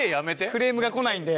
クレームがこないんで。